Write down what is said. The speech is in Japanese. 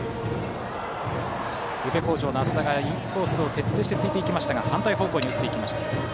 宇部鴻城の淺田がインコースを徹底して突いていきましたが反対方向に打っていきました。